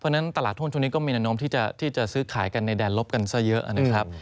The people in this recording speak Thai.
เพราะฉะนั้นตลาดหุ้นช่วงนี้ก็มีแนวโน้มที่จะซื้อขายกันในแดนลบกันซะเยอะนะครับ